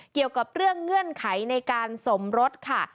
เกี่ยวกับเรื่องเงื่อนไขในการสมรสค่ะ